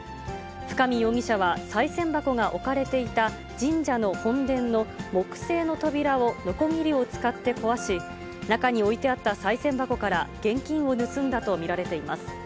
深見容疑者は、さい銭箱が置かれていた神社の本殿の木製の扉をのこぎりを使って壊し、中に置いてあったさい銭箱から現金を盗んだと見られています。